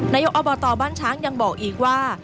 นายกอบตบ้านช้างยังบอกอีกว่า